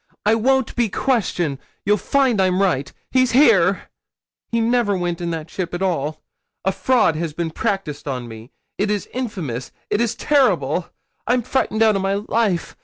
I won't be questioned. You'll find I'm right. He's here. He never went in that ship at all. A fraud has been practised on me it is infamous it is terrible. I'm frightened out of my life.